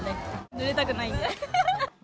ぬれたくないんで。